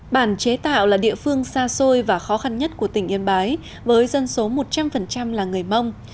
bản chế tạo là địa phương xa xôi và khó khăn nhất của tỉnh yên bái với dân số một trăm linh là người mông